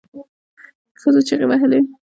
ښځو چیغې وهلې.